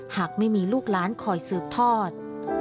หากไม่มีลูกล้านคอยสืบทอด